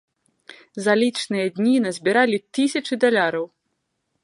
За лічаныя дні назбіралі тысячы даляраў.